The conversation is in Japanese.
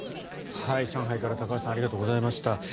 上海から高橋さんありがとうございました。